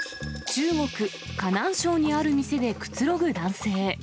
中国・河南省にある店でくつろぐ男性。